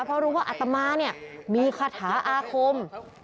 เพราะรู้ว่าอัตมาเนี่ยมีคาถาอาคม